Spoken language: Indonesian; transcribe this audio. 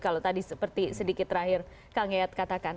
kalau tadi seperti sedikit terakhir kang yayat katakan